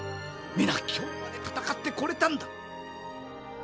皆今日まで戦ってこれたんだ！